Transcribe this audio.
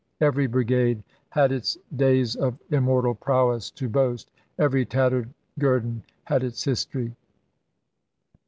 Every brigade had its days of immortal prowess to boast, every tattered guidon had its history.